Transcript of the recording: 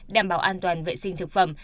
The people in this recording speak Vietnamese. đảm bảo an toàn vệ sinh thực phẩm